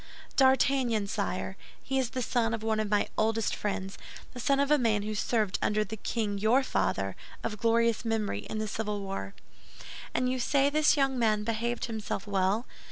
"D'Artagnan, sire; he is the son of one of my oldest friends—the son of a man who served under the king your father, of glorious memory, in the civil war." "And you say this young man behaved himself well?